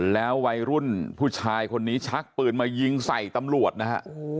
แล้ววัยรุ่นผู้ชายคนนี้ชักปืนมายิงใส่ตำรวจนะฮะ